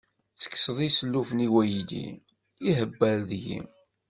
Ttekkseɣ isellufen i waydi, ihebber deg-i.